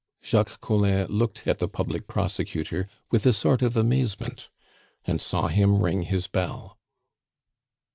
Jacques Collin looked at the public prosecutor with a sort of amazement, and saw him ring his bell.